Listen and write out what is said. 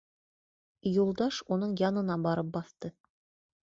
Юлдаш уның янына барып баҫты.